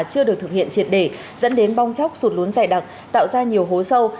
chưa được thực hiện triệt để dẫn đến bong chóc sụt lún dày đặc tạo ra nhiều hố sâu